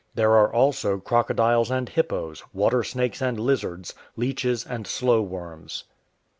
There are also crocodiles and hippos, water snakes and lizards, leeches and slow worms.